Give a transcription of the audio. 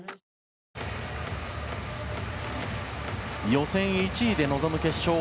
予選１位で臨む決勝。